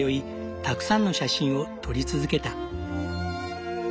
たくさんの写真を撮り続けた。